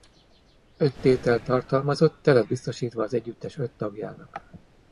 Öt tételt tartalmazott teret biztosítva az együttes öt tagjának.